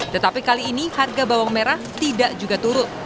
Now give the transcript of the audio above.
tetapi kali ini harga bawang merah tidak juga turun